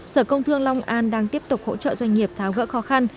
sở công thương long an đang tiếp tục hỗ trợ doanh nghiệp tháo gỡ khó khăn